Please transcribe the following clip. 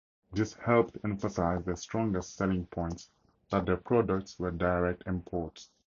This helped emphasize their strongest selling point, that their products were direct imports.